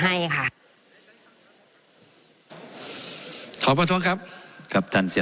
ไม่ได้เป็นประธานคณะกรุงตรี